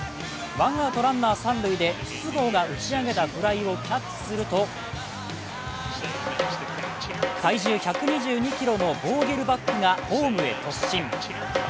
ワンアウト・ランナー三塁で筒香が打ち上げたフライをキャッチすると体重１２２ｋｇのボーゲルバッグがホームへ突進。